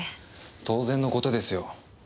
当然の事ですよ。